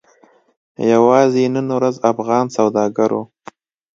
یوازې نن ورځ افغان سوداګرو